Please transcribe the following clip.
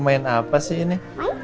main apa sih ini